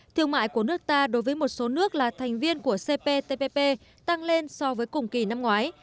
thương mại của nước ta đối với một số nước là thành viên của cptpp tăng lên so với cùng kỳ năm ngoái